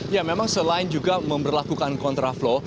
ya memang selain juga memperlakukan kontraflow